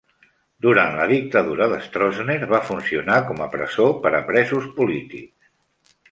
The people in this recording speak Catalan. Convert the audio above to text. Durant la dictadura de Stroessner va funcionar com a presó per a presos polítics.